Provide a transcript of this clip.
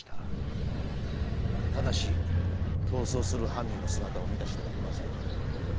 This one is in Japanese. ただし逃走する犯人の姿を見た人はいません。